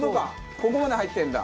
ここまで入ってるんだ！